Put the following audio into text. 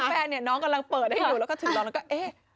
เก้าแฟนเนี่ยน้องกำลังเปิดให้ดูแล้วก็ถึงหลอดแล้วก็เอ๊ะ